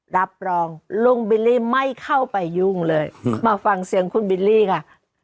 รับรองลุงบิลลี่ไม่เข้าไปยุ่งเลยมาฟังเสียงคุณบิลลี่ค่ะ